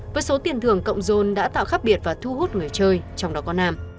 với số tiền thưởng cộng dồn đã tạo khác biệt và thu hút người chơi trong đó có nam